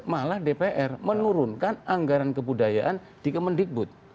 malah dpr menurunkan anggaran kebudayaan di kemendikbud